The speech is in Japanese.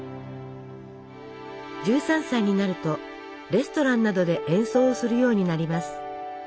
１３歳になるとレストランなどで演奏をするようになります。